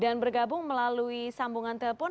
dan bergabung melalui sambungan telepon